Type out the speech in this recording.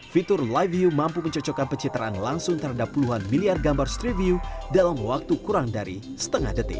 fitur live view mampu mencocokkan pencitraan langsung terhadap puluhan miliar gambar street view dalam waktu kurang dari setengah detik